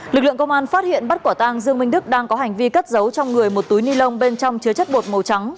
lực lượng công an phát hiện bắt quả tang dương minh đức đang có hành vi cất giấu trong người một túi ni lông bên trong chứa chất bột màu trắng